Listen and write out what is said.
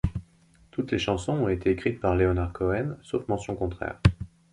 Toutes les chansons ont été écrites par Leonard Cohen, sauf mention contraire.